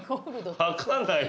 分かんないの。